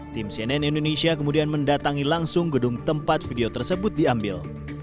tim cnn indonesia kemudian mendatangi langsung gedung tempat video tersebut diambil